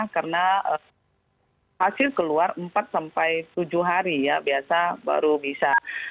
karena hasil keluar empat sampai tujuh hari ya biasa baru bisa